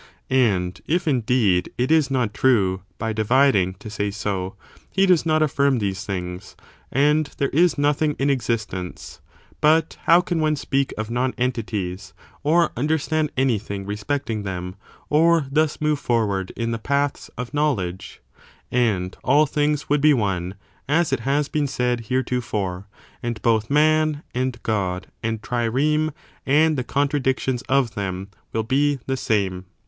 And if, indeed, it is not true, by dividing, to say so,^ he does not affinn these things, and there is nothing in existence ; but how can one speak of non entities, or understand anything respecting them, or thus move forward in the paths of knowledge 1 And all things would be one, as it has been said heretofore, and both man, and god, and trireme, and the contradictions of them, will be the same.